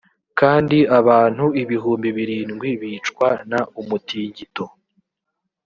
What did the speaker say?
kandi abantu ibihumbi birindwi bicwa n umutingito